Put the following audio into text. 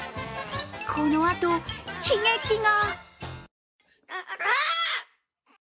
このあと、悲劇が。